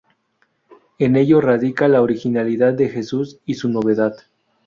En ello radica la originalidad de Jesús y su novedad.